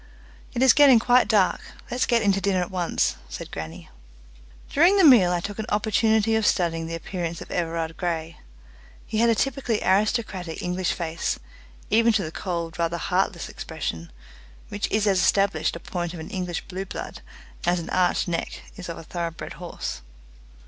"It is getting quite dark. Let's get in to dinner at once," said grannie. During the meal I took an opportunity of studying the appearance of Everard Grey. He had a typically aristocratic English face, even to the cold rather heartless expression, which is as established a point of an English blue blood as an arched neck is of a thoroughbred horse.